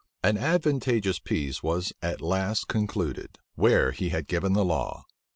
An advantageous peace was at last concluded, where he had given the law.